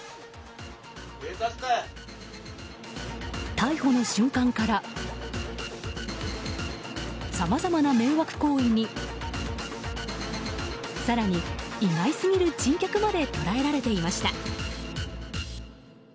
逮捕の瞬間からさまざまな迷惑行為に更に意外すぎる珍客まで捉えられていました。